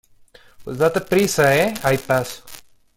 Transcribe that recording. pues date prisa. ¡ eh! haya paz .